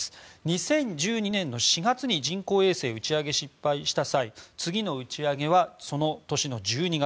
２０１２年４月に人工衛星打ち上げ失敗した際次の打ち上げはその年の１２月。